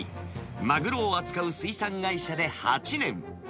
マグロを扱う水産会社で８年。